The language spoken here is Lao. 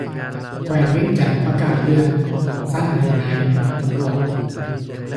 ແຂວງວຽງຈັນ ປະກາດເລື່ອນຊັ້ນໃຫ້ນາຍຕຳຫຼວດ